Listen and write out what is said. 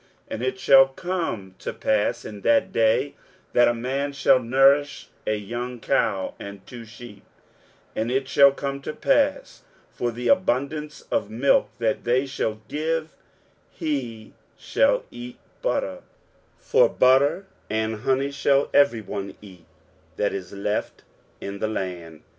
23:007:021 And it shall come to pass in that day, that a man shall nourish a young cow, and two sheep; 23:007:022 And it shall come to pass, for the abundance of milk that they shall give he shall eat butter: for butter and honey shall every one eat that is left in the land.